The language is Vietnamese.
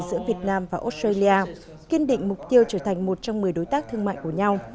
giữa việt nam và australia kiên định mục tiêu trở thành một trong một mươi đối tác thương mại của nhau